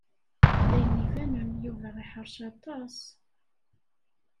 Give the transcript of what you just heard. D ayen ibanen, Yuba iḥrec aṭas.